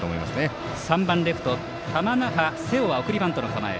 バッター３番レフト、玉那覇世生は送りバントの構え。